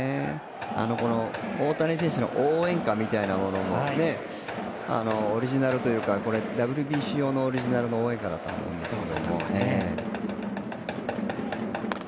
大谷選手の応援歌みたいなものもオリジナルというか、ＷＢＣ用の応援歌だと思いますが。